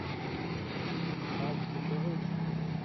Ah ! vous êtes heureux, vous !